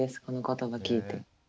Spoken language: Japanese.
この言葉聞いて。